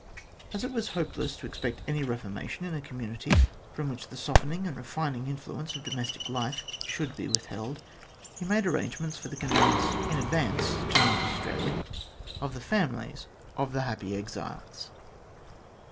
As it was hopeless to expect any reformation in a community from which the softening and refining influence of domestic life should be withheld, he made arrangements for the conveyance in advance to North Australia of the families of the happy 22 THE CONSTITUTION OF THE NEW COLONY 23 exiles.